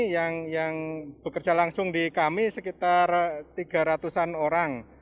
yang bekerja langsung di kami sekitar tiga ratus an orang